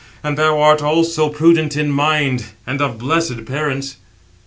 And thou art also prudent in mind, and of blessed parents."